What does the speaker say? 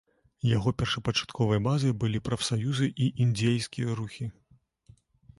Яго першапачатковай базай былі прафсаюзы і індзейскія рухі.